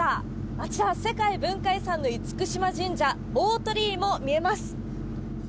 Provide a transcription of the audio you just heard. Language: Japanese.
あちら、世界文化遺産の厳島神社大鳥居も見えます。